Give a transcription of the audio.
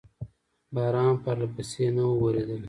باران پرلپسې نه و اورېدلی.